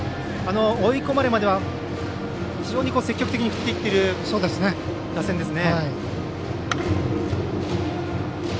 追い込まれるまでは非常に積極的に振っていってる打線ですね。